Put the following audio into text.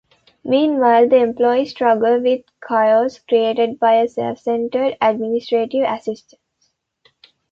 Meanwhile, the employees struggle with chaos created by a self-centered administrative assistant.